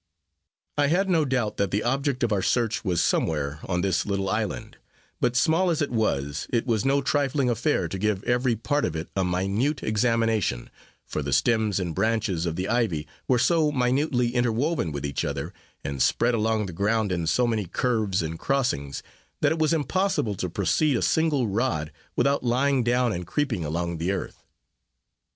I had no doubt that the object of our search was somewhere on this little island; but small as it was, it was no trifling affair to give every part of it a minute examination, for the stems and branches of the ivy were so minutely inter woven with each other, and spread along the ground in so many curves and crossings, that it was impossible to proceed a single rod without lying down and creeping along the earth.